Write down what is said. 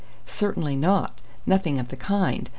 "Certainly not! Nothing of the kind!